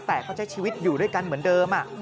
แต่ก็ใช้ชีวิตอยู่ด้วยกันเหมือนเดิม